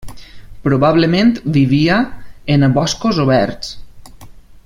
Probablement vivia en boscos oberts.